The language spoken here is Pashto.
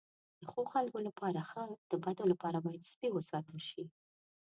د ښو خلکو لپاره ښه، د بدو لپاره باید سپي وساتل شي.